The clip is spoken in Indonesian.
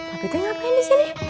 papih teh ngapain disini